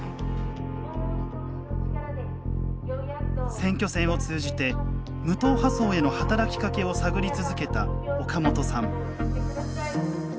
選挙戦を通じて無党派層への働きかけを探り続けた岡本さん。